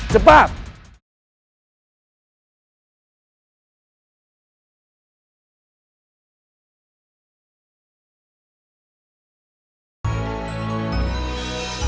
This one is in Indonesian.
jangan lupa like share dan subscribe